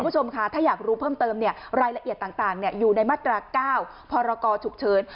ถ้าอยากรู้เพิ่มเติมหลายละเอียดต่างอยู่ในมาตรก้าวพรอฉุกเชิญ